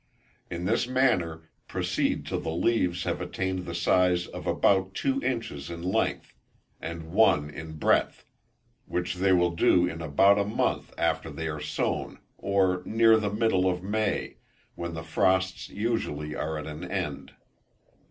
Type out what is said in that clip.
In this manner proceed till the leaves have attained the size of about two inches in length, and one in breadth, which they will do in about a month after they are sown, or near the middle of May, when the frosts usually are at an end.